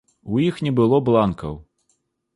У іх не было бланкаў.